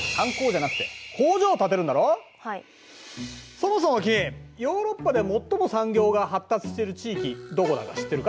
そもそも君ヨーロッパで最も産業が発達している地域どこだか知ってるか？